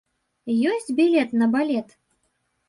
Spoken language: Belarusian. Ёсць білет на балет?